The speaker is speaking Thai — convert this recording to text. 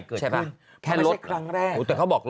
เพราะไม่ใช่ครั้งแรก